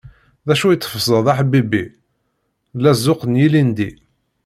D acu i tteffẓeḍ, a ḥbibi? D llazuq n yilindi.